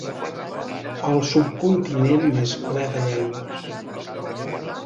El subcontinent més ple de llengües.